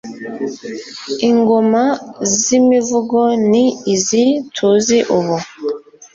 Ingoma z’imivugo ni izi tuzi ubu